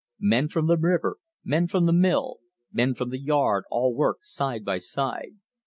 Men from the river, men from the mill, men from the yard all worked side by side.